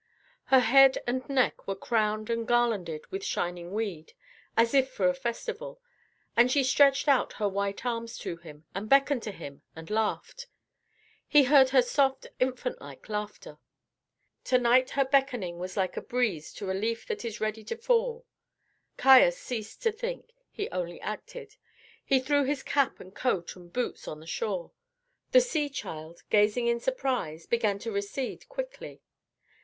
Her head and neck were crowned and garlanded with shining weed, as if for a festival, and she stretched out her white arms to him and beckoned to him and laughed. He heard her soft, infant like laughter. To night her beckoning was like a breeze to a leaf that is ready to fall. Caius ceased to think; he only acted. He threw his cap and coat and boots on the shore. The sea child, gazing in surprise, began to recede quickly.